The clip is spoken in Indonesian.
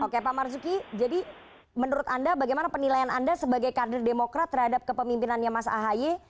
oke pak marzuki jadi menurut anda bagaimana penilaian anda sebagai kader demokrat terhadap kepemimpinannya mas ahy